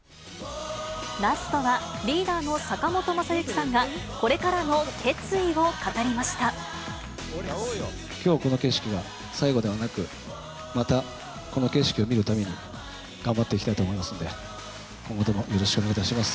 ラストはリーダーの坂本昌行さんが、これからの決意を語りまきょうこの景色が最後ではなく、またこの景色を見るために頑張っていきたいと思いますので、今後ともよろしくお願いいたします。